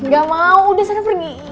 gak mau udah sana pergi